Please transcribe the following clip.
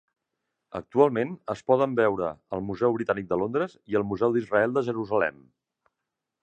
Actualment, es poden veure al Museu Britànic de Londres i al Museu d'Israel de Jerusalem.